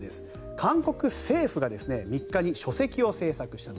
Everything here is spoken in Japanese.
韓国政府が３日に書籍を制作したと。